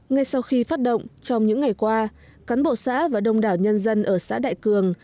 ngay sau khi phát động trong những ngày qua cán bộ xã và đông đảo nhân dân ở xã đại cường